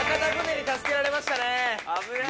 危ない。